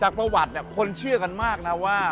ประวัติคนเชื่อกันมากนะว่า